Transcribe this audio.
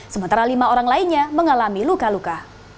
sementara lima orang lainnya mengalami luka luka